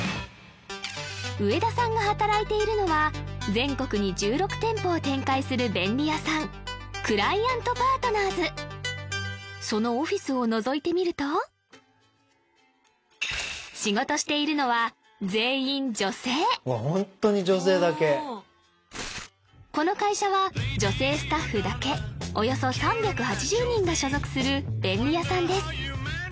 植田さんが働いているのは全国に１６店舗を展開する便利屋さんクライアントパートナーズそのオフィスをのぞいてみると仕事しているのは全員女性ホントに女性だけこの会社は女性スタッフだけおよそ３８０人が所属する便利屋さんです